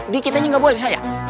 dikit aja nggak boleh saya